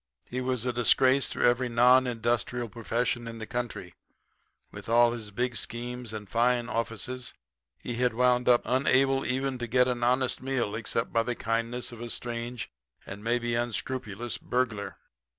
He was a disgrace to every non industrial profession in the country. With all his big schemes and fine offices he had wound up unable even to get an honest meal except by the kindness of a strange and maybe unscrupulous burglar.